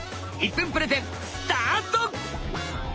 １分プレゼンスタート！